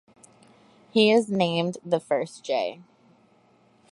He was named the first J.